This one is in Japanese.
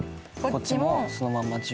こっちもそのまんま１５万円。